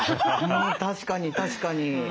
確かに確かに。